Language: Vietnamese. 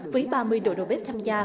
với ba mươi đội đồ bếp tham gia